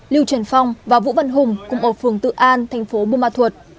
lưu trần phong và vũ văn hùng cùng ở phường tự an thành phố buma thuột